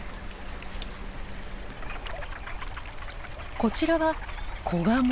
こちらはコガモ。